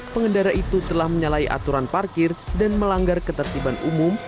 pengendara itu telah menyalahi aturan parkir dan melanggar ketertiban umum